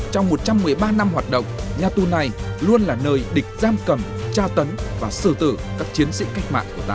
trong một trăm một mươi ba năm hoạt động nhà tù này luôn là nơi địch giam cầm tra tấn và sơ tử các chiến sĩ cách mạng của ta